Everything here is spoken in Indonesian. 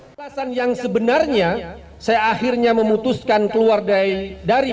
kelasannya yang sebenarnya saya akhirnya memutuskan keluar dari psi